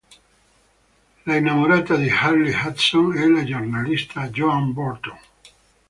L'innamorata di Harley Hudson è la giornalista Joan Burton.